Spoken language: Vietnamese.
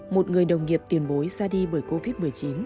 một người đồng nghiệp tiền bối ra đi bởi covid một mươi chín